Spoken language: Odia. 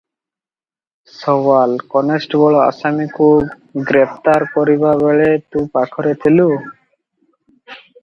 ସୱାଲ - କନେଷ୍ଟବଲ ଆସାମୀକୁ ଗ୍ରେପ୍ତାର କରିବା ବେଳେ ତୁ ପାଖରେ ଥିଲୁ?